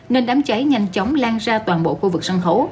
nên đám cháy nhanh chóng lan ra toàn bộ khu vực sân khấu